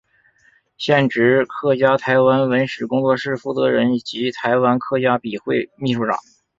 现职客家台湾文史工作室负责人及台湾客家笔会秘书长。